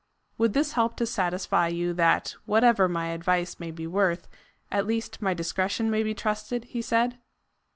"Would this help to satisfy you that, whatever my advice may be worth, at least my discretion may be trusted?" he said.